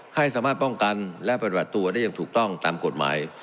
ให้สามารถป้องกันและปฏิบัติตัวได้อย่างถูกต้องตามกฎหมาย